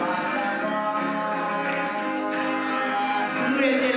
震えてる？